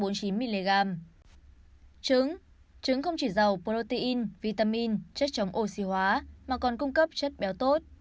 trứng không chỉ giàu protein vitamin chất chống oxy hóa mà còn cung cấp chất béo tốt